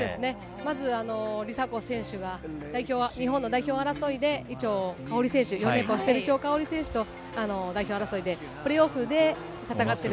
まず梨紗子選手が日本の代表争いで伊調馨選手、４連覇をしている選手と代表争いでプレーオフで戦っている。